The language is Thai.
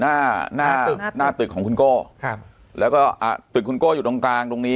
หน้าหน้าตึกหน้าตึกของคุณโก้ครับแล้วก็อ่าตึกคุณโก้อยู่ตรงกลางตรงนี้